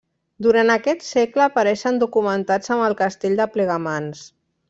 Durant aquest segle apareixen documentats amb el castell de Plegamans.